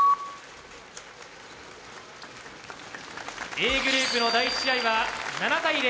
Ａグループの第１試合は７対０。